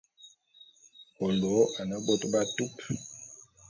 Ô lôô ane bôt b'atupe.